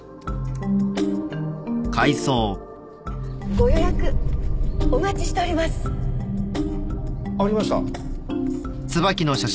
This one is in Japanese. ご予約お待ちしておりますありました。